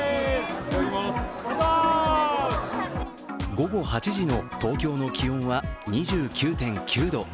午後８時の東京の気温は２９．９度。